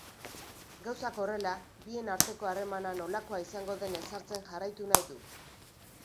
Gauzak horrela, bien arteko harremana nolakoa izango den ezartzen jarraitu nahi du.